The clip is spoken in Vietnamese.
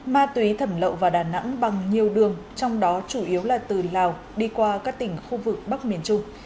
ma túy thẩm lậu vào đà nẵng bằng nhiều đường trong đó chủ yếu là từ lào đi qua các tỉnh khu vực bắc miền trung